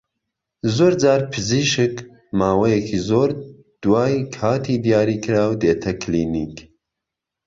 زۆرجار پزیشک ماوەیەکی زۆر دوای کاتی دیاریکراو دێتە کلینیک